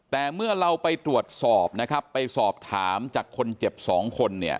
แต่เมื่อเราไปตรวจสอบนะครับไปสอบถามจากคนเจ็บสองคนเนี่ย